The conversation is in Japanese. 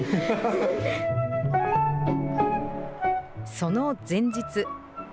その前日。